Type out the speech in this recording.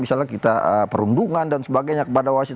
misalnya kita perundungan dan sebagainya kepada wasit